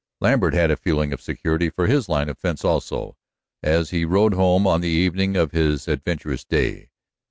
Lambert had a feeling of security for his line of fence, also, as he rode home on the evening of his adventurous day.